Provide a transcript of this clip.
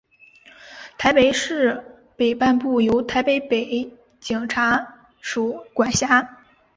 台北市北半部由台北北警察署管辖。